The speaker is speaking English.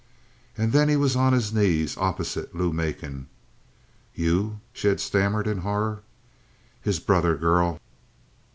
And then he was on his knees opposite Lou Macon. "You?" she had stammered in horror. "His brother, girl."